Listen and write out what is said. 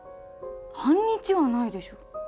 半日はないでしょ。